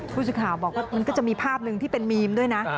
ผู้สื่อข่าวบอกว่ามันก็จะมีภาพหนึ่งที่เป็นมีมด้วยนะ